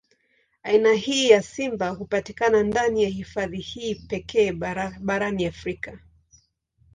Aina hii ya simba hupatikana ndani ya hifadhi hii pekee barani Afrika.